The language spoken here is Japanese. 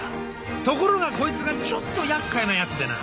ところがこいつがちょっと厄介な奴でな。